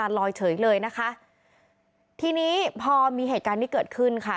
ลอยเฉยเลยนะคะทีนี้พอมีเหตุการณ์ที่เกิดขึ้นค่ะ